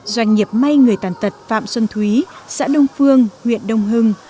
doanh nghiệp may người tàn tật phạm xuân thúy xã đông phương huyện đông hưng